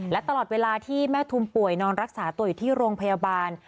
และตลอดเวลาที่แม่ทุมป่วยนอนรักษาตัวอยู่ที่โรงพยาบาล